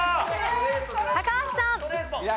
高橋さん。